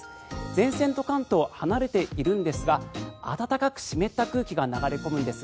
前線と関東離れているんですが暖かく湿った空気が流れ込むんです。